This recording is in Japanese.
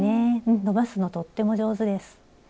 うん伸ばすのとっても上手です。